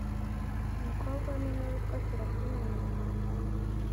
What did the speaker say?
umukobwa ni umwe witwa Seraphine Nyirantambara